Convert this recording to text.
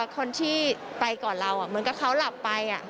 คนที่ไปก่อนเราเหมือนกับเขาหลับไป